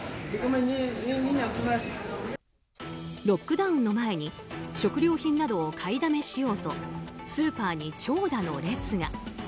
ロックダウンの前に食料品などを買いだめしようとスーパーに長蛇の列が。